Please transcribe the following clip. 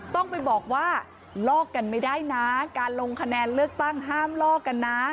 ต้องไปบอกว่าลอกกันไม่ได้นะการลงคะแนนเลือกตั้งห้ามลอกกันนะ